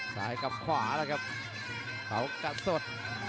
ซ้ายกับขวาแล้วครับเขากัดสด